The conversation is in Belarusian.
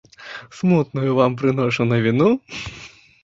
Смутную вам прыношу навіну.